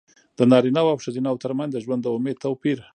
د نارینه وو او ښځینه وو ترمنځ د ژوند د امید توپیر.